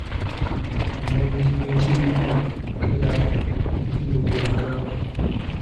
Omwogezi w'ekibiina Okeler Opio bw'agambye.